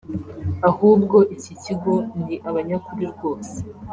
ahubwo iki kigo ni abanyakuri rwose